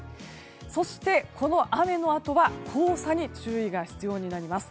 そして、この雨のあとは黄砂に注意が必要になります。